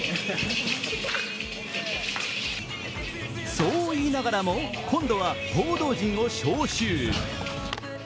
そう言いながらも今度は報道陣を招集。